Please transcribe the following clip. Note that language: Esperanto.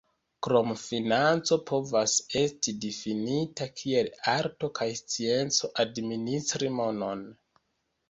Krome financo povas esti difinita kiel "arto kaj scienco administri monon.